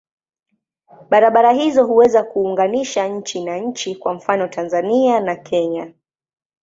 Barabara hizo huweza kuunganisha nchi na nchi, kwa mfano Tanzania na Kenya.